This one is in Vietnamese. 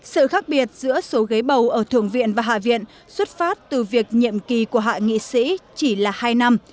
sự khác biệt giữa số ghế bầu ở thượng viện và hạ viện xuất phát từ việc nhiệm kỳ của hạ nghị sĩ chỉ là hai năm